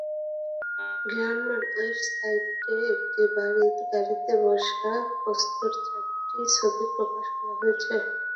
গ্রানমার ওয়েবসাইটে একটি গাড়িতে বসা কাস্ত্রোর চারটি ছবি প্রকাশ করা হয়েছে।